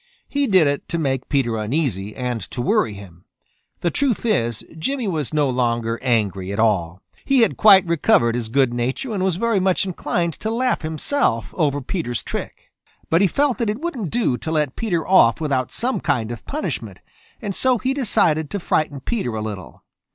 He did it to make Peter uneasy and to worry him. The truth is, Jimmy was no longer angry at all. He had quite recovered his good nature and was very much inclined to laugh himself over Peter's trick. But he felt that it wouldn't do to let Peter off without some kind of punishment, and so he decided to frighten Peter a little.